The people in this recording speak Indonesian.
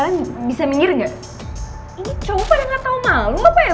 ngga ada semuanya